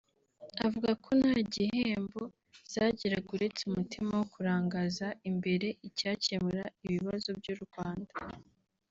avuga ko nta gihembo zagiraga uretse umutima wo kurangaza imbere icyakemura ibibazo by’u Rwanda